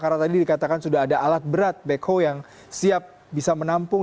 karena tadi dikatakan sudah ada alat berat pekho yang siap bisa menampung